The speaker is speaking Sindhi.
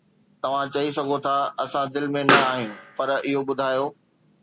توهان چئي سگهو ٿا: "اسان دل ۾ نه آهيون؟" پر اهو ٻڌايو